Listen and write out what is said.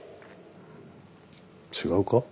違うか？